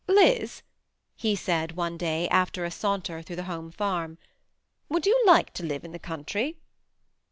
*' Liz," he said one day, after a saunter through the home farm, " would you like to live in the counti y